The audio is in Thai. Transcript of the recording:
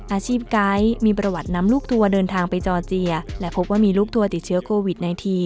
อาชีพไก๊มีประวัตินำลูกทัวร์เดินทางไปจอร์เจียและพบว่ามีลูกทัวร์ติดเชื้อโควิด๑๙